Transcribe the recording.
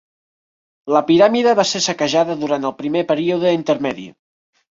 La piràmide va ser saquejada durant el Primer Període Intermedi.